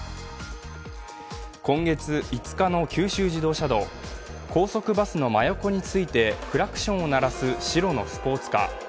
今月、５日の九州自動車道、高速バスの真横についてクラクションを鳴らす白のスポーツカー。